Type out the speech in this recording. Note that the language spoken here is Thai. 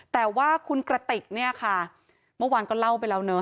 แต่ว่าคุณกระติกเนี่ยค่ะเมื่อวานก็เล่าไปแล้วเนอะ